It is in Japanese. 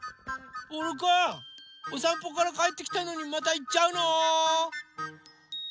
ボールくんおさんぽからかえってきたのにまたいっちゃうの？